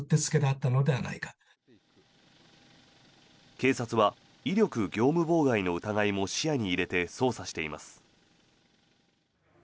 警察は威力業務妨害の疑いも視野に入れて捜査しています。